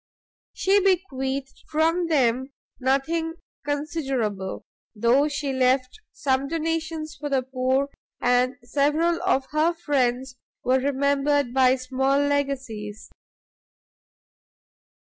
She bequeathed from them nothing considerable, though she left some donations for the poor, and several of her friends were remembered by small legacies.